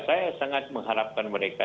saya sangat mengharapkan mereka